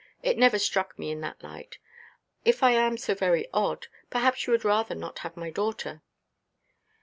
It never struck me in that light. If I am so very odd, perhaps you would rather not have my daughter?"